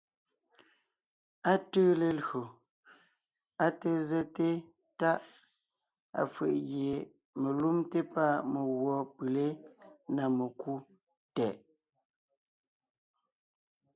Á tʉʉ lelÿò, á té zɛ́te Táʼ, afʉ̀ʼ gie melúmte pâ meguɔ pʉlé (na mekú) tɛʼ.